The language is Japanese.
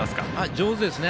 上手ですね。